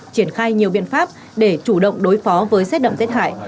triển khai nhiều biện pháp để chủ động đối phó với xét đậm rết hại